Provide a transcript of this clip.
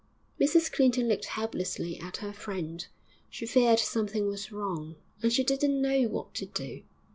Mrs Clinton looked helplessly at her friend; she feared something was wrong, and she didn't know what to do.